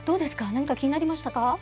何か気になりましたか？